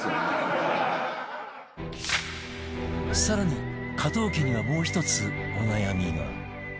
更に加藤家にはもう１つお悩みが